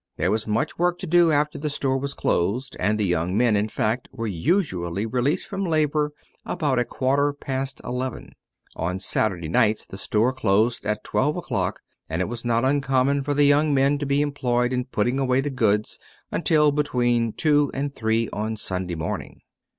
There was much work to do after the store was closed; and the young men, in fact, were usually released from labor about a quarter past eleven. On Saturday nights the store closed at twelve o'clock, and it was not uncommon for the young men to be employed in putting away the goods until between two and three on Sunday morning.